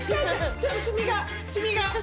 ちょっとシミがシミが。